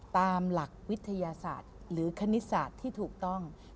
ตามหลักวิทยาศาสตร์หรือคณิตศาสตร์ที่ถูกต้อง